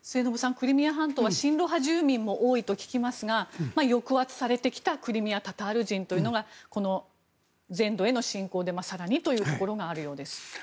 クリミア半島は親ロ派住民も多いと聞きますが抑圧されてきたクリミア・タタール人というのがこの全土への侵攻で更にというところがあるようです。